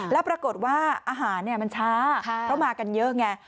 แล้วปรากฏว่าอาหารมันช้าเพราะมากันเยอะไง